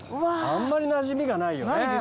あんまりなじみがないよね。